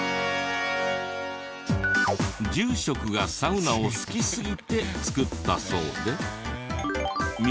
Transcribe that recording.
住職がサウナを好きすぎて造ったそうで。